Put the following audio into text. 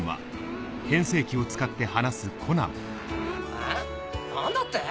えっ何だって？